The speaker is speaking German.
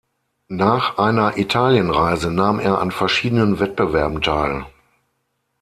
Nach einer Italienreise nahm er an verschiedenen Wettbewerben teil.